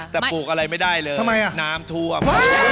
ถูกต้อง